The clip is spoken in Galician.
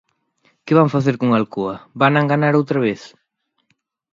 ¿Que van facer con Alcoa?, ¿vana enganar outra vez?